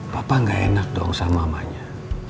papa gak enak dong sama mamanya